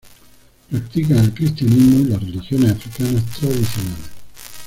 Practican el cristianismo y las religiones africanas tradicionales.